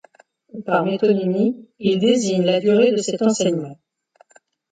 Par métonymie, il désigne la durée de cet enseignement.